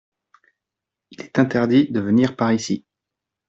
Il est interdit de venir par ici.